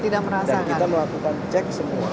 dan kita melakukan cek semua